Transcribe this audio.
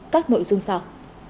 các nội dung sau